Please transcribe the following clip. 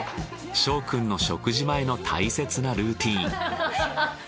翔くんの食事前の大切なルーティーン。